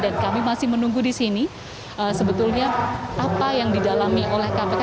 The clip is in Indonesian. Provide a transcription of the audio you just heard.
dan kami masih menunggu di sini sebetulnya apa yang didalami oleh kpk